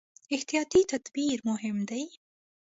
احتیاطي تدابیر مهم دي.